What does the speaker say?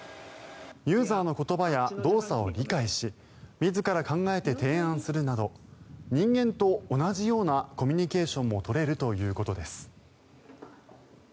ユーザーの言葉や動作を理解し自ら考えて提案するなど人間と同じようなコミュニケーションも取れるということです。